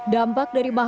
dampak dari bukti garam